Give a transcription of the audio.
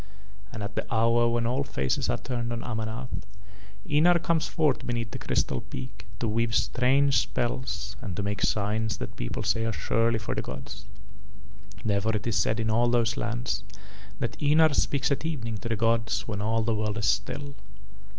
And at the hour when all faces are turned on Amanath, Ynar comes forth beneath the Crystal peak to weave strange spells and to make signs that people say are surely for the gods. Therefore it is said in all those lands that Ynar speaks at evening to the gods when all the world is still.